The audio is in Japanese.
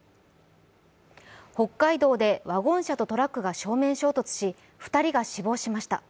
北海道でワゴン車とトラックが正面衝突し、２人が死亡しました。